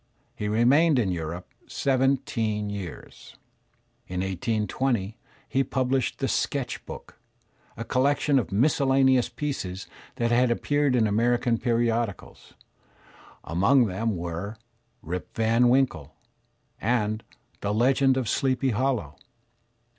He remained in Europe seventeen years. In 1820 he published "The Sketch Book," a collection of miscellaneous pieces that had appeared in American periodicals. Among them were "Rip Van Winkle," and "The Legend of Sleepy Hollow."